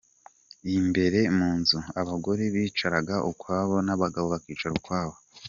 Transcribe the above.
Imbere mu nzu, abagore bicaraga ukwabo n’abagabo bakicara ukwabo.